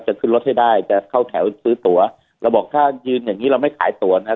จะขึ้นรถให้ได้จะเข้าแถวซื้อตัวเราบอกถ้ายืนอย่างงี้เราไม่ขายตัวนะฮะ